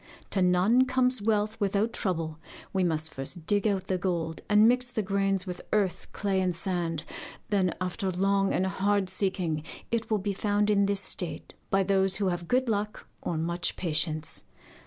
To none comes wealth without trouble: we must first dig out the gold and mix the grains with earth, clay, and sand. Then, after long and hard seeking, it will be found in this state, by those who have good luck or much patience.